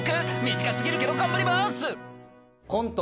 短過ぎるけど頑張りますコント